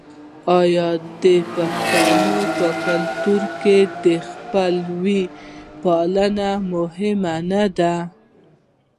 آیا د پښتنو په کلتور کې د خپلوۍ پالل مهم نه دي؟